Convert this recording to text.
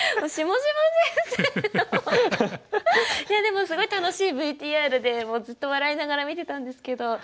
いやでもすごい楽しいＶＴＲでもうずっと笑いながら見てたんですけど。